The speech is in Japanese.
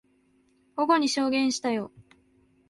午後に証言したよ。